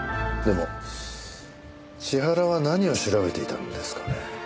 でも千原は何を調べていたんですかね？